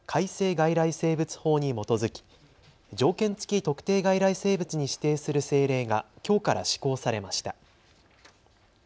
外来生物法に基づき条件付特定外来生物に指定する政令がきょうから施行されました。